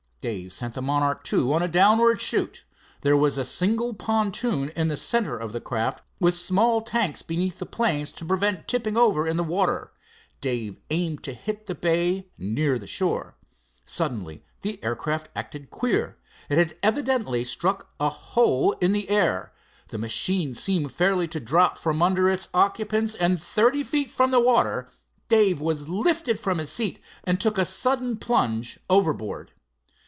Dave sent the Monarch II on a downward shoot. There was a single pontoon in the center of the craft, with small tanks beneath the planes to prevent tipping over in the water. Dave aimed to hit the bay near to the shore. Suddenly the aircraft acted queer. It had evidently struck a hole in the air. The machine seemed fairly to drop from under its occupants, and thirty feet from the water, Dave was lifted from his seat and took a sudden plunge over board.